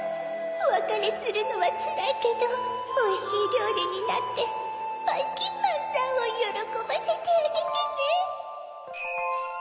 おわかれするのはつらいけどおいしいりょうりになってばいきんまんさんをよろこばせてあげてね。